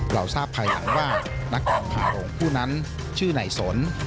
เราทราบภายหลังว่านักการพาโรงผู้นั้นชื่อไหนสน